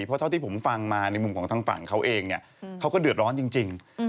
เพราะเท่าที่ผมฟังมาในมุมของทางฝั่งเขาเองเนี่ยเขาก็เดือดร้อนจริง